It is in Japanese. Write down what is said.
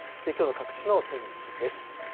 きょうの各地の天気です。